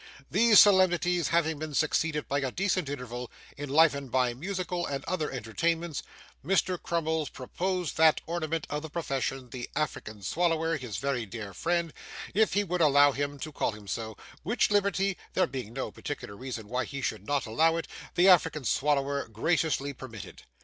These solemnities having been succeeded by a decent interval, enlivened by musical and other entertainments, Mr. Crummles proposed that ornament of the profession, the African Swallower, his very dear friend, if he would allow him to call him so; which liberty (there being no particular reason why he should not allow it) the African Swallower graciously permitted.